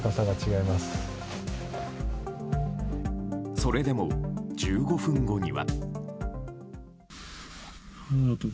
それでも１５分後には。